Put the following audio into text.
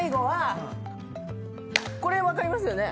これ分かりますよね？